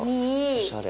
おしゃれ。